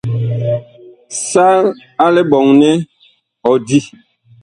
Sal a liɓɔŋ nɛ ɔ di.